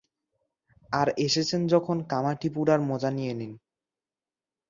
আর এসেছেন যখন কামাঠিপুরার মজা নিয়ে নিন।